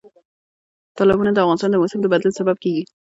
تالابونه د افغانستان د موسم د بدلون سبب کېږي.